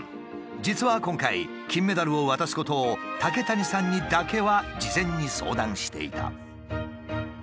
実は今回金メダルを渡すことを竹谷さんにだけは事前に相談していた。